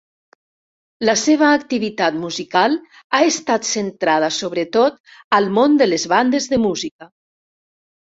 La seva activitat musical ha estat centrada sobretot al món de les bandes de música.